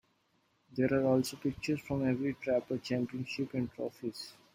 There are also pictures from every Trapper championship and trophies.